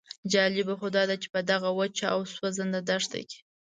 جالبه خو داده چې په دغه وچه او سوځنده دښته کې.